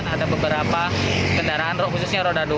ada beberapa kendaraan rok khususnya roda dua